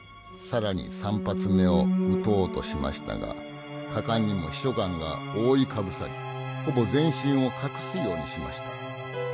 更に３発目を撃とうとしましたが果敢にも秘書官が覆いかぶさりほぼ全身を隠すようにしました。